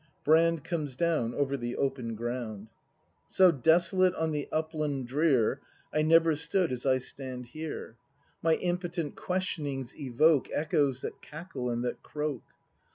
Brand. [Comes down over the open ground.] So desolate on the upland drear I never stood as I stand here; My impotent questionings evoke Echoes that cackle and that croak.